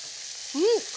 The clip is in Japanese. うん！